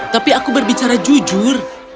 tapi aku berbicara jujur